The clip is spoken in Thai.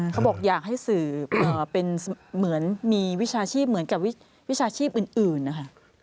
เขาบอกอยากให้สื่อเป็นเหมือนมีวิชาชีพเหมือนกับวิชาชีพอื่นนะคะ